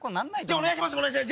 お願いします！